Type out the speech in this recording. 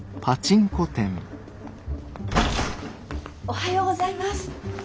おはようございます。